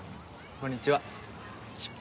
こんにちは。